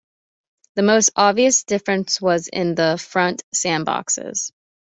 The most obvious difference was in the front sandboxes.